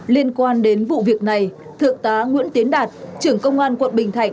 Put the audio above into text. liên quan đến vụ việc này thượng tá nguyễn tiến đạt trưởng công an quận bình thạnh